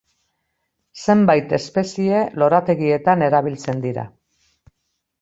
Zenbait espezie lorategietan erabiltzen dira.